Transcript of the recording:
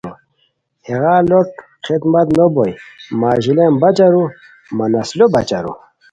ہیغار لوٹ خدمت نوبوئے، مہ اژیلیان بچ ارو، مہ نسلو بچ ارو